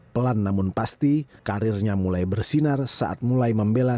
pelan namun pasti karirnya mulai bersinar saat mulai membela